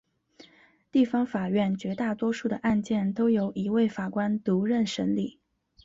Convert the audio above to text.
地方法院绝大多数的案件都由一位法官独任审理。